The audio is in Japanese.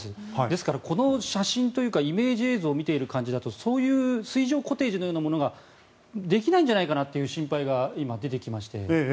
ですから、この写真というかイメージ映像を見ている感じだとそういう水上コテージのようなものができないんじゃないかなという心配が今、出てきまして